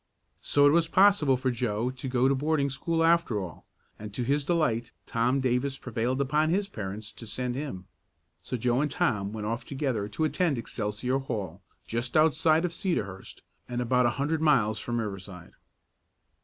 So it was possible for Joe to go to boarding school after all, and, to his delight, Tom Davis prevailed upon his parents to send him. So Joe and Tom went off together to attend Excelsior Hall, just outside of Cedarhurst, and about a hundred miles from Riverside.